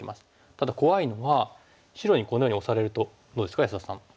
ただ怖いのは白にこのようにオサれるとどうですか安田さん。